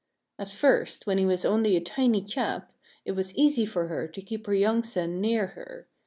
At first, when he was only a tiny chap, it was easy for her to keep her young son near her.